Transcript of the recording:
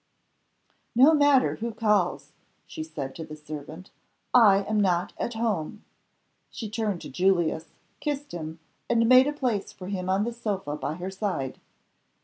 "No matter who calls," she said to the servant, "I am not at home." She turned to Julius, kissed him, and made a place for him on the sofa by her side.